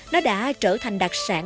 nó đã trở thành đặc sản